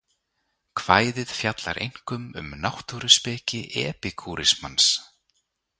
Kvæðið fjallar einkum um náttúruspeki epikúrismans.